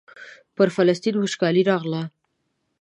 پر فلسطین وچکالي راغله.